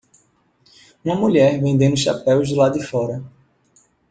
Uma mulher vendendo chapéus do lado de fora.